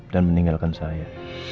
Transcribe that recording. dan meninggalkan saya